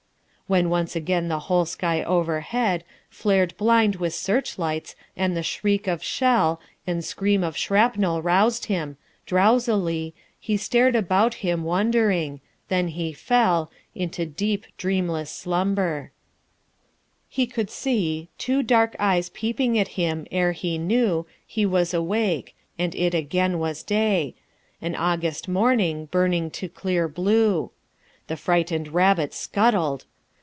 When once again the whole sky overhead Flared blind with searchlights, and the shriek of shell And scream of shrapnel roused him. Drowsily He stared about him, wondering. Then he fell Into deep dreamless slumber. He could see Two dark eyes peeping at him, ere he knew He was awake, and it again was day An August morning, burning to clear blue. The frightened rabbit scuttled....